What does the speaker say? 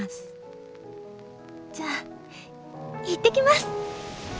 「じゃ行ってきます！」。